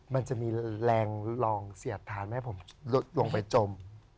มันจะมีแรงลองเสียดทานไม่ให้ผมลงไปจม